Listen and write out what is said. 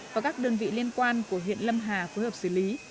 và các đơn vị liên quan của huyện lâm hà phối hợp xử lý